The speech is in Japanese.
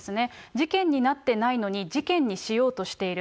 事件になってないのに、事件にしようとしている。